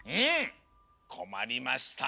こまりましたね。